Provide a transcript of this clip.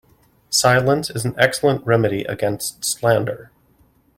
Silence is an excellent remedy against slander.